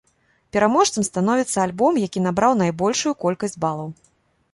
Пераможцам становіцца альбом, які набраў найбольшую колькасць балаў.